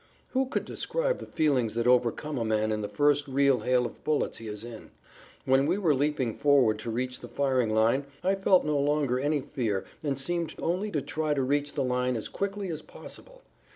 Who could describe the feelings that overcome a man in the first real hail of bullets he is in? When we were leaping forward to reach the firing line I felt no longer any fear and seemed only to try to reach the line as quickly as possible.